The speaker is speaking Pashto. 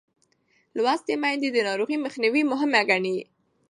لوستې میندې د ناروغۍ مخنیوی مهم ګڼي.